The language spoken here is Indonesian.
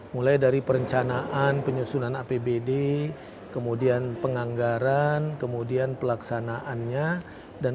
mulai dari perencanaan penyusunan apbd dan kemudian kemudian kembali ke perbincangan